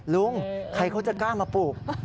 ลุงใครเขาจะกล้ามาปลูก